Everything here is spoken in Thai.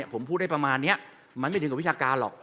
ผมพูดได้ประมาณนี้มันไม่ถึงกับวิชาการหรอก